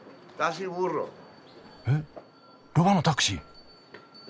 えっロバのタクシー？